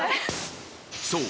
［そう。